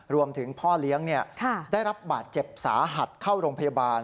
พ่อเลี้ยงได้รับบาดเจ็บสาหัสเข้าโรงพยาบาล